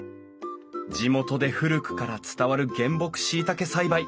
地元で古くから伝わる原木しいたけ栽培。